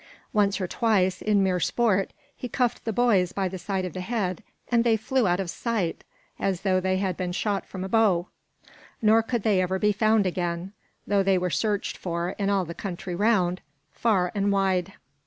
Once or twice, in mere sport, he cuffed the boys by the side of the head, and they flew out of sight as though they had been shot from a bow; nor could they ever be found again, though they were searched for in all the country round, far and wide.